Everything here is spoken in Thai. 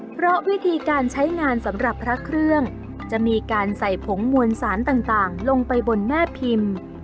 เพราะวิธีการใช้งานสำหรับพระเครื่องจะมีการใส่ผงมวลสารต่างลงไปบนแม่พิมพ์